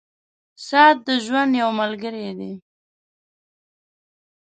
• ساعت د ژوند یو ملګری دی.